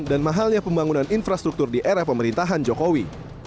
dan mahalnya pembangunan infrastruktur di era pemerintahan jokowi